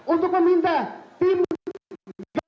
untuk meminta tim gabungan